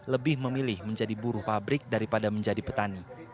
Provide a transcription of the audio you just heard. lebih memilih menjadi buruh pabrik daripada menjadi petani